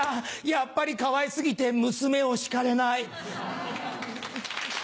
やっぱりかわい過ぎて娘を叱れない。